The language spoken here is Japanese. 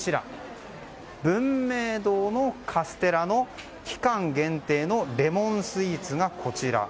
文明堂のカステラの期間限定のレモンスイーツがこちら。